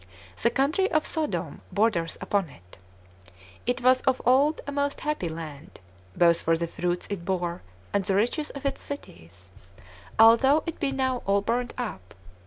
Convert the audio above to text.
The country of Sodom borders upon it. It was of old a most happy land, both for the fruits it bore and the riches of its cities, although it be now all burnt up.